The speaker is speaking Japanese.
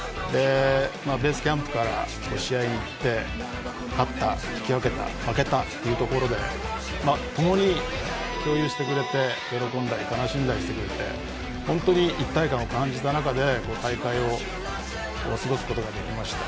ベースキャンプから試合に行って勝った、引き分けた負けたというところでともに共有してくれて喜んだり、悲しんだりしてくれて本当に一体感を感じた中で大会を過ごすことができました。